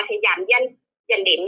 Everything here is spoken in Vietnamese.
sẽ giảm dần dần đến